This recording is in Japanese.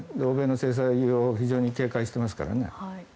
欧米の制裁を非常に警戒していますからね。